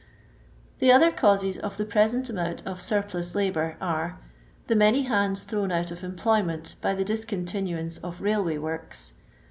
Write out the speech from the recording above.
The other causes of the present amoont of tur plus labotur are — The many hands thrown out of employment by the discontinuance of railway works.